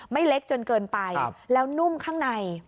เล็กจนเกินไปแล้วนุ่มข้างใน